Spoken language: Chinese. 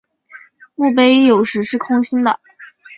墓碑有时是空心的。